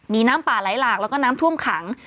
มีน้ำป่าไหลหลากแล้วก็น้ำท่วมขัง